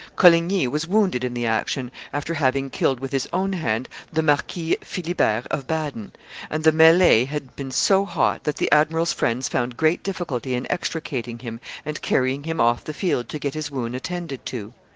Coligny was wounded in the action, after having killed with his own hand the Marquis Philibert of Baden; and the melley had been so hot that the admiral's friends found great difficulty in extricating him and carrying him off the field to get his wound attended to.